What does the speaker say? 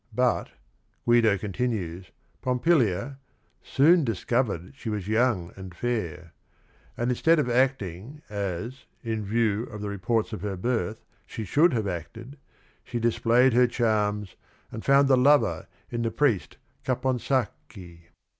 But, Guido continues, Pompilia "soon discovered she was young and fair" — and in stead of acting as, in view of the reports of her birth, she should have acted, she displayed her charms, and found a lover in the priest Caponsacchi.